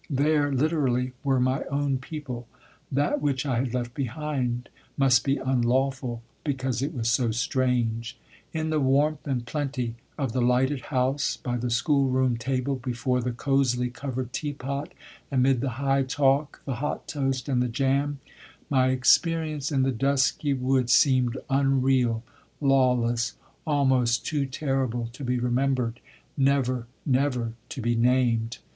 There, literally, were my own people: that which I had left behind must be unlawful because it was so strange. In the warmth and plenty of the lighted house, by the schoolroom table, before the cosily covered teapot, amid the high talk, the hot toast and the jam, my experience in the dusky wood seemed unreal, lawless, almost too terrible to be remembered never, never to be named.